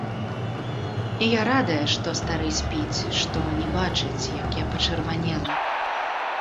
І я радая, што стары спіць, што не бачыць, як я пачырванела.